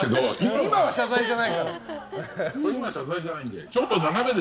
今は謝罪じゃないんで。